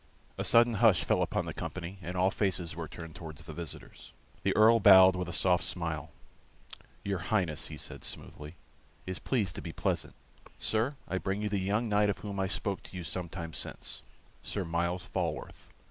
A sudden hush fell upon the company, and all faces were turned towards the visitors. The Earl bowed with a soft smile. "Your Highness," said he, smoothly, "is pleased to be pleasant. Sir, I bring you the young knight of whom I spoke to you some time since Sir Myles Falworth.